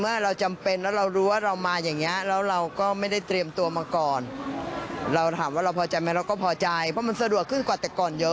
เพราะมันสะดวกขึ้นกว่าแต่ก่อนเยอะ